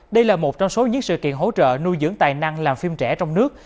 đây là một trong số những sự kiện hỗ trợ nuôi dưỡng tài năng làm phim trẻ trong nước